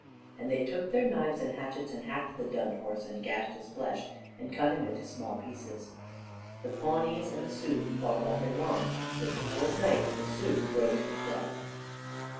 And they took their knives and hatchets, and hacked the dun horse and gashed his flesh, and cut him into small pieces. The Pawnees and Sioux fought all day long, but toward night the Sioux broke and fled.